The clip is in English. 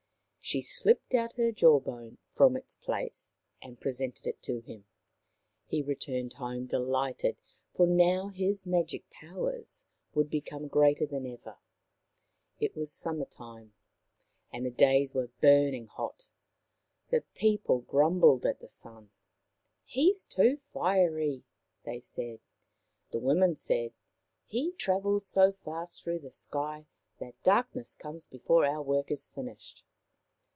She slipped out her jaw bone from its place and presented it to him. He returned home delighted, for now his magic powers would become greater than ever. It was summer time, and the days were burn ing hot. The people grumbled at the Sun. " He is too fiery," they said. The women said, " He travels so fast through the sky that darkness comes before our work is finished."